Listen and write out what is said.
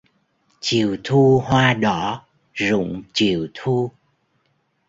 Chiều thu hoa đỏ rụng chiều thu